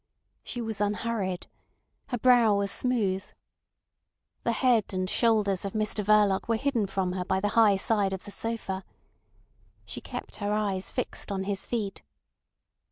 She was unhurried. Her brow was smooth. The head and shoulders of Mr Verloc were hidden from her by the high side of the sofa. She kept her eyes fixed on his feet.